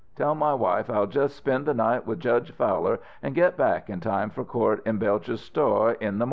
Tell my wife I'll just spend the night with Judge Fowler, an' git back in time for court in Belcher's sto' in the mornin'.